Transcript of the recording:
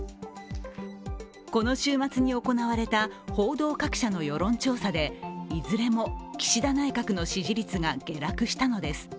この週末に行われた報道各社の世論調査で、いずれも岸田内閣の支持率が下落したのです。